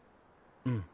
うん。